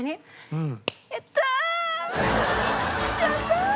うん。